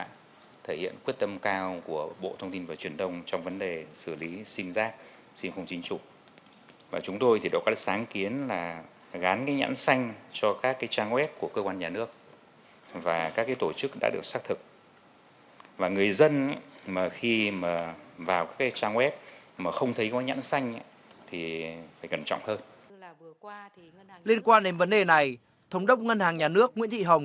cử tri cũng mong muốn bộ thông tin và truyền thông có những giải pháp hữu hiệu hơn nữa trong việc giả soát xử lý những tài khoản ngân hàng không chính chủ vì đây đang là kẽ hở cho loại tội